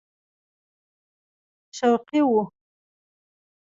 شوقي وو.